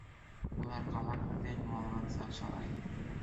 Улар ҡала күҙҙән юғалғансы осалар.